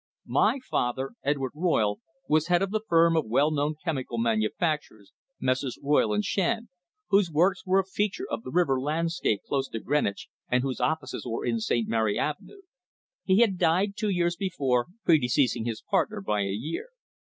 My father, Edward Royle, was head of the firm of well known chemical manufacturers, Messrs. Royle and Shand, whose works were a feature of the river landscape close to Greenwich, and whose offices were in St. Mary Axe. He had died two years before, pre deceasing his partner by a year.